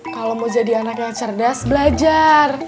kalau mau jadi anak yang cerdas belajar